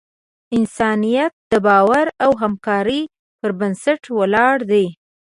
انسانیت د باور او همکارۍ پر بنسټ ولاړ دی.